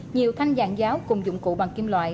nhiều thanh dạng giáo cùng dụng cụ bằng kim loại